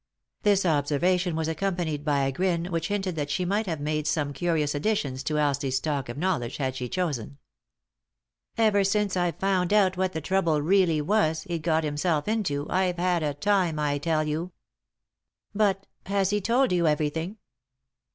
This observation was accompanied by a grin which hinted that she might have made some carious additions to Elsie's stock of knowledge had she chosen. " Ever since I've found out what the trouble really was he'd got himself into I've had a time, I tell you." " But — has he told you everything